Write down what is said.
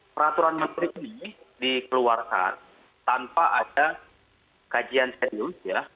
peraturan menteri ini dikeluarkan tanpa ada kajian serius ya